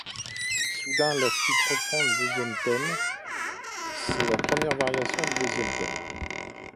Soudain la flûte reprend le deuxième thème, c'est la première variation du deuxième thème.